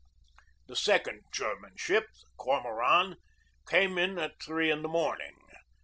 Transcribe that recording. The second German ship, the Cormoran, came in at three in the morning.